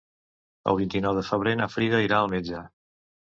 El vint-i-nou de febrer na Frida irà al metge.